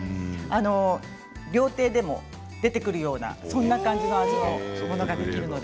料亭でも出てくるようなそんな感じの味のものができるので。